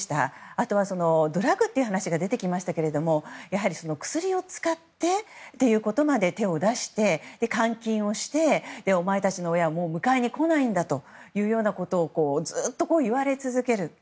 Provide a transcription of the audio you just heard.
あとは、ドラッグという話が出てきましたがやはり、クスリを使ってということにまで手を出して監禁をして、お前たちの親はもう迎えに来ないということをずっと言われ続ける。